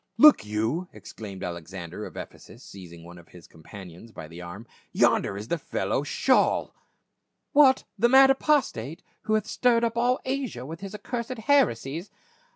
" Look you," exclaimed Alexander* of Ephesus seizing one of his companions by the arm. " Yonder is the fellow Shaijl !"" What, the mad apostate, who hath stirred up all Asia with his accursed heresies